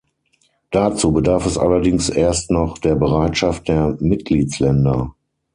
Dazu bedarf es allerdings erst noch der Bereitschaft der Mitgliedsländer.